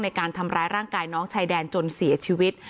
ในการทำร้ายร่างกายน้องชายแดนจนเสียชีวิต